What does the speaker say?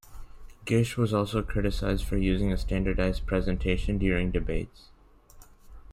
Gish was also criticised for using a standardized presentation during debates.